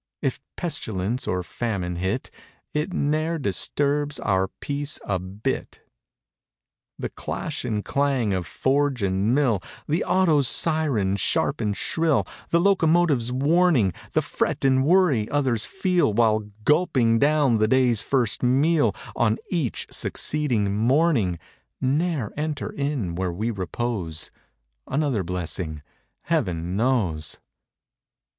If pestilence or famine hit. It ne'er disturbs our peace a bit. The clash and clang of forge and mill; The auto's siren, sharp and shrill; The locomotive's warning; The fret and worry others feel While gulping down the day's first meal On each succeeding morning, Ne'er enter in where we repose— Another blessing—heaven knows!